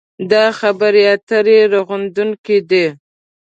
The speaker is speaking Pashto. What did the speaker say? دا خبرې اترې رغوونکې دي.